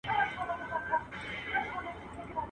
ته چي دومره یې هوښیار نو به وزیر یې .